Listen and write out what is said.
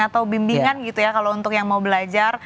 atau bimbingan gitu ya kalau untuk yang mau belajar